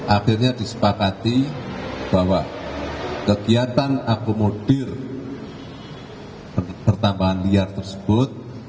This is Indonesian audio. akhirnya disepakati bahwa kegiatan akomodir pertambahan liar tersebut